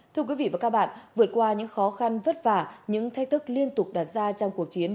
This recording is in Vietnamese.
thưa quý vị và các bạn vượt qua những khó khăn vất vả những thách thức liên tục đặt ra trong cuộc chiến